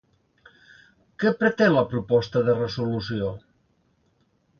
Què pretén la proposta de resolució?